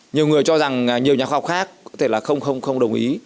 nhiều người cho rằng nhiều nhà khoa học khác có thể là không đồng ý